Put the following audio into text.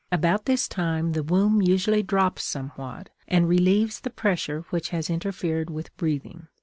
About this time the womb usually drops somewhat and relieves the pressure which has interfered with breathing.